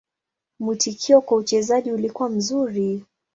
Mwitikio kwa uchezaji ulikuwa mzuri.